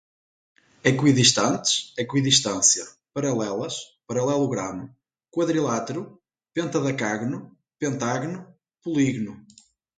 equidistantes, equidistância, paralelas, paralelogramo, quadrilátero, pentadacágono, pentágono, polígino